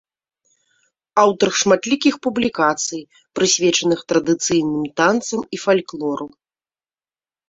Аўтар шматлікіх публікацый, прысвечаных традыцыйным танцам і фальклору.